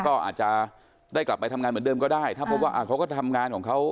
ก็อาจจะได้กลับไปทำงานเหมือนเดิมก็ได้ถ้าพบว่าเขาก็ทำงานของเขา